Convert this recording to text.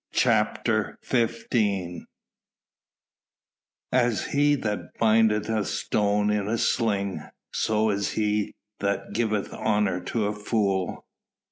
CHAPTER XV "As he that bindeth a stone in a sling, so is he that giveth honour to a fool."